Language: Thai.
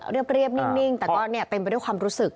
เรียบนิ่งแต่ก็เต็มไปด้วยความรู้สึก